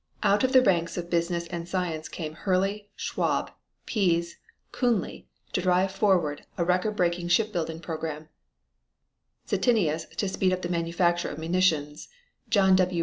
Out of the ranks of business and science came Hurley, Schwab, Piez, Coonley to drive forward a record breaking shipbuilding program, Stettinius to speed up the manufacture of munitions, John W.